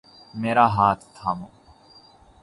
میرا ہاتھ تھامو۔